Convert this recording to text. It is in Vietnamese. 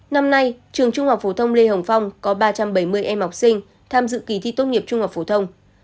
năm nay trường trung học phổ thông lê hồng phong có ba trăm bảy mươi em học sinh tham dự kỳ thi tốt nghiệp trung học phổ thông